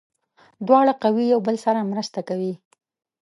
دواړه قوې یو بل سره مرسته کوي.